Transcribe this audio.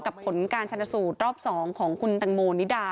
ผลการชนสูตรรอบ๒ของคุณตังโมนิดา